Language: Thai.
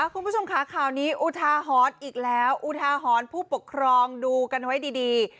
คุณผู้ชมค่ะข่าวนี้อุทาหรณ์อีกแล้วอุทาหรณ์ผู้ปกครองดูกันไว้ดี